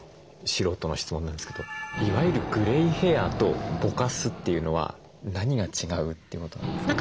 素人の質問なんですけどいわゆるグレイヘアとぼかすっていうのは何が違うってことなんですか？